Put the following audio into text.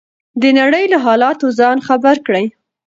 د نړۍ له حالاتو ځان خبر کړئ.